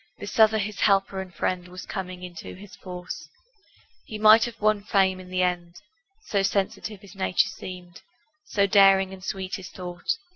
This other his helper and friend Was coming into his force; He might have won fame in the end, So sensitive his nature seemed, So daring and sweet his thought.